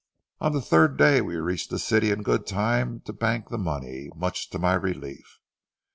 On the third day we reached the city in good time to bank the money, much to my relief.